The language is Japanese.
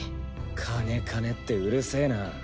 金金ってうるせぇな。